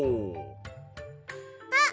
あっ！